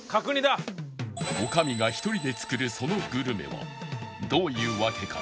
女将が１人で作るそのグルメはどういうわけか